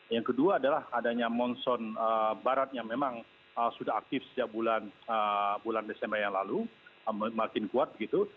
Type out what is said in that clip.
yang kedua adalah adanya monson barat yang memang sudah aktif sejak bulan desember yang lalu makin kuat begitu